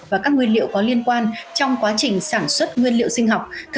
và các nguyên liệu có liên quan trong quá trình sản xuất nguyên liệu sinh học